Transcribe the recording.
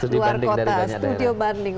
luar kota studio banding